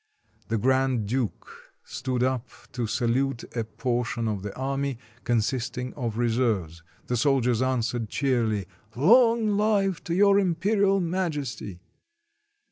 The grand duke stood up to salute a portion of the army, consisting of reserves; the soldiers answered cheerily, "Long life to Your Imperial Majesty."